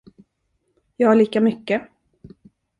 Ja, lika mycket.